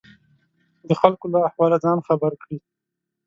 د خلکو له احواله ځان خبر کړي.